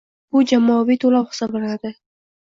bu jamoaviy to‘lov hisoblanadi.